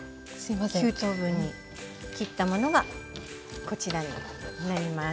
９等分に切ったものがこちらになります。